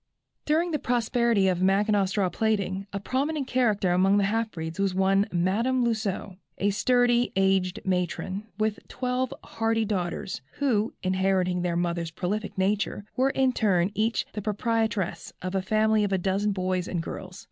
During the prosperity of Mackinaw straw plaiting, a prominent character among the half breeds was one Madame Lousseux, a sturdy, aged matron, with twelve hearty daughters, who, inheriting their mother's prolific nature, were in turn each the proprietress of a family of a dozen boys and girls.